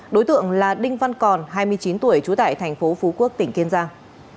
đối tượng là đinh văn còn hai mươi chín tuổi trú tại tp phú quốc tỉnh kiên giang